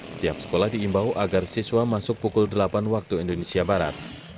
setiap sekolah diimbau agar siswa masuk pukul delapan waktu indonesia barat